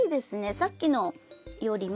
さっきのよりも。